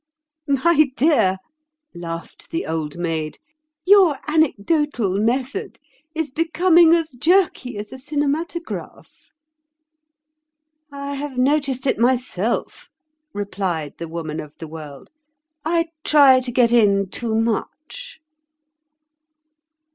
"My dear," laughed the Old Maid, "your anecdotal method is becoming as jerky as a cinematograph." "I have noticed it myself," replied the Woman of the World; "I try to get in too much."